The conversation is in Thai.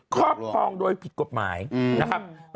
ครอบครองโดยผิดกฎหมายนะครับ